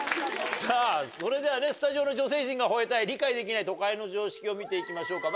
さぁそれではスタジオの女性陣が吠えたい理解できない都会の常識を見て行きましょうか。